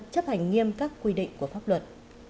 chấp hành nghiêm các quy định của pháp luật